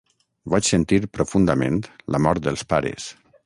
Vaig sentir profundament la mort dels pares.